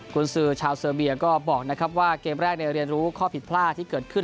คุณซื้อชาวเซอร์เบียก็บอกนะครับว่าเกมแรกเรียนรู้ข้อผิดพลาดที่เกิดขึ้น